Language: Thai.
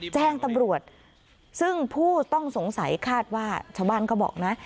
แจ้งตำรวจซึ่งผู้ต้องสงสัยคาดว่าชาวบ้านก็บอกนะ